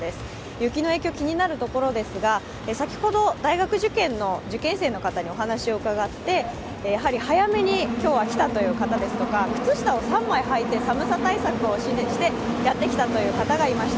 雪の影響気になるところですが、先ほど大学受験の受験生の方に話を伺って早めに今日は来たという方ですとか、靴下を３枚履いて寒さ対策をしてやってきたという方がいました。